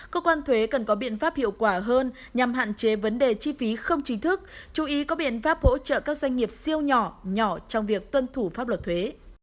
cơ quan thuế cần có biện pháp hiệu quả hơn nhằm hạn chế vấn đề chi phí không chính thức chú ý có biện pháp hỗ trợ các doanh nghiệp siêu nhỏ nhỏ trong việc tuân thủ pháp luật thuế